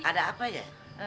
ada apa ya